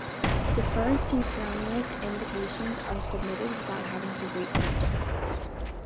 Deferred synchronous invocations are submitted without having to wait for a response.